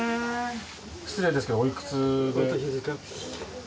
失礼ですけどおいくつで。